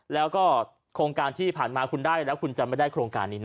แล้วก็โครงการที่ผ่านมาคุณได้แล้วคุณจะไม่ได้โครงการนี้นะ